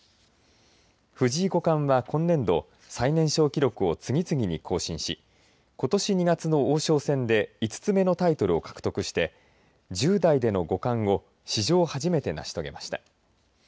藤井五冠は今年度、最年少記録を次々に更新しことし２月の王将戦で５つ目のタイトルを獲得して１０代での五冠を史上初めて成し遂げました。